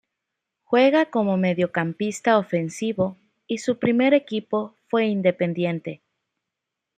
Juega como mediocampista ofensivo y su primer equipo fue Independiente.